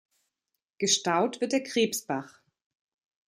Gestaut wird der Krebsbach.